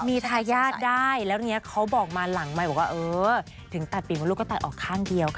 มีทายาทได้แล้วเนี่ยเขาบอกมาหลังใหม่บอกว่าเออถึงตัดปีมดลูกก็ตัดออกข้างเดียวค่ะ